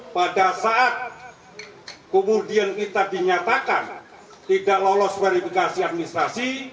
pada saat kemudian kita dinyatakan tidak lolos verifikasi administrasi